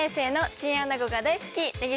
チンアナゴが大好きなんだ。